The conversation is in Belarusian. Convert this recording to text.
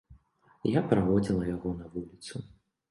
Я праводзіла яго на вуліцу.